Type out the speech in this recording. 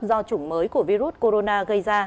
do chủng mới của virus corona gây ra